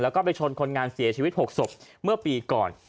แล้วก็ไปชนคนงานเสียชีวิต๖ศพเมื่อปีก่อน